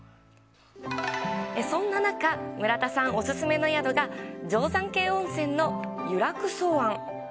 そんな中、村田さんお勧めの宿が、定山渓温泉のゆらく草庵。